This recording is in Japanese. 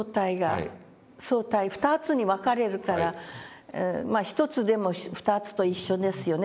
相対２つに分かれるからまあ１つでも２つと一緒ですよね